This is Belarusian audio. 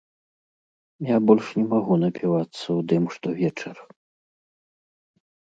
Я больш не магу напівацца ў дым штовечар.